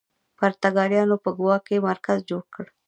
پرتګالیانو په ګوا کې مرکز جوړ کړ.